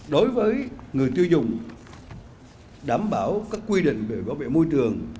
đối với người tiêu dùng đảm bảo các quy định về bảo vệ môi trường